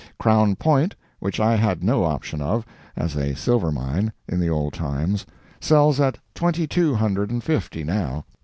Crown Point, which I had no option of, as a silver mine, in the old times, sells at twenty two hundred and fifty, now.